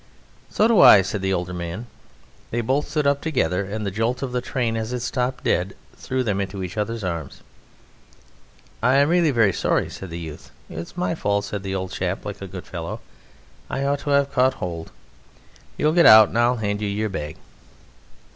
"So do I," said the older man. They both stood up together, and the jolt of the train as it stopped dead threw them into each other's arms. "I am really very sorry," said the youth. "It's my fault," said the old chap like a good fellow, "I ought to have caught hold. You get out and I'll hand you your bag."